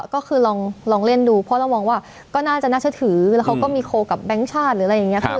ก็คือลองเล่นดูเพราะเรามองว่าก็น่าจะน่าจะถือแล้วเขาก็มีโคลกับแบงค์ชาติหรืออะไรอย่างนี้